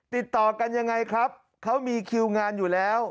ติดต่อกันยังไงครับเขามีคิวงานอยู่แล้ว